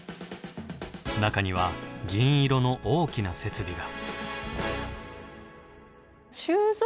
中には銀色の大きな設備が。